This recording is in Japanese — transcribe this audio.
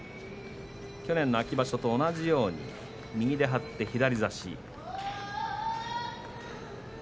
去年の秋場所と同じように右で張って左差し。